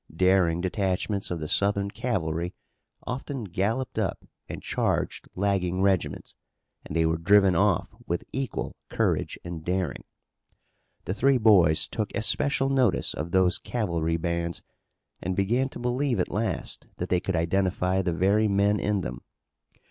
Daring detachments of the Southern cavalry often galloped up and charged lagging regiments. And they were driven off with equal courage and daring. The three boys took especial notice of those cavalry bands and began to believe at last that they could identify the very men in them.